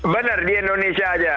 bener di indonesia aja